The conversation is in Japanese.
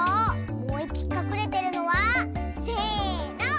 もういっぴきかくれてるのはせの！